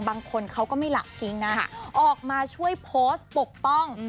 บางคนเขาก็ไม่หลับทิ้งนะออกมาช่วยโพสต์ปกป้อง